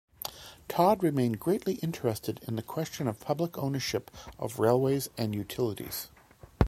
Todd remained greatly interested in the question of public ownership of railways and utilities.